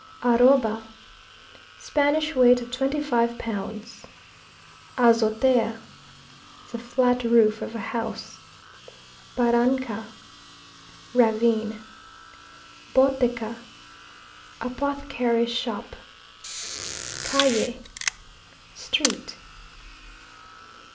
Arroba Spanish weight of twenty five pounds. Azotea The flat roof of a house. Barranca Ravine. Botica Apothecary's shop. Calle Street.